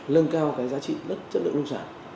nâng cao giá trị đất chất lượng nông sản